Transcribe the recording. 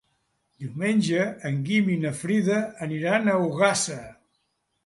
Diumenge en Guim i na Frida aniran a Ogassa.